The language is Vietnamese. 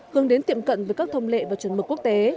hướng đến tiệm cận với các thông lệ và chuẩn mực quốc tế